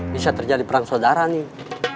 bisa terjadi perang saudara nih